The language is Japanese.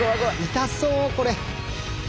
痛そうこれ。